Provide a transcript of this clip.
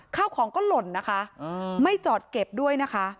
ข้าวของก็หล่นนะคะไม่จอดเก็บด้วยนะคะ